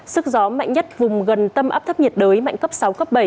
sức gió mạnh nhất vùng gần tâm áp thấp nhiệt đới mạnh cấp sáu cấp bảy